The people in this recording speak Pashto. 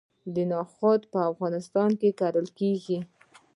نخود په افغانستان کې کرل کیږي.